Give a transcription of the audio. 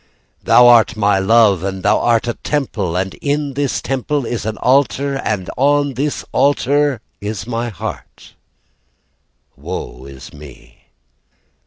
Thou art my love, And thou art a temple, And in this temple is an altar, And on this altar is my heart Woe is me.